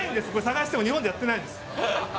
探しても日本でやってないです